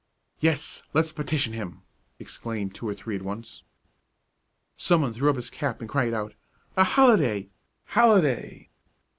"Yes, let's petition him!" exclaimed two or three at once. Some one threw up his cap and cried out, "A holiday! holiday!"